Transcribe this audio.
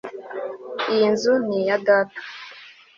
Iyi nzu ni iya data